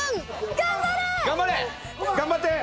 頑張れ！頑張って！